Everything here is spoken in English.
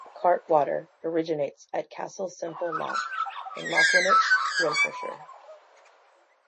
The Black Cart Water originates at Castle Semple Loch in Lochwinnoch, Renfrewshire.